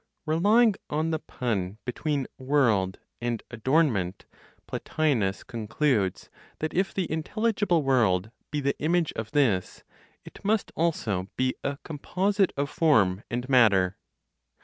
RELYING ON THE PUN BETWEEN WORLD AND ADORNMENT, PLOTINOS CONCLUDES THAT IF THE INTELLIGIBLE WORLD BE THE IMAGE OF THIS, IT MUST ALSO BE A COMPOSITE OF FORM AND MATTER.